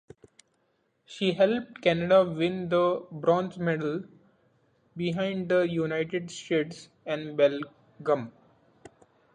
She helped Canada win the bronze medal behind the United States and Belgium.